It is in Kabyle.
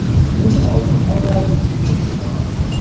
Tmenɛeḍ aḍar-iw si tuccḍa.